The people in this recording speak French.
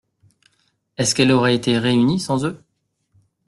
Est-ce qu’elle aurait été réunie sans eux ?